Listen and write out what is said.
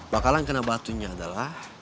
bakalan kena batunya adalah